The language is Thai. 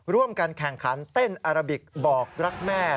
ร่วมกันแข่งขันเต้นอาราบิกบอกรักแม่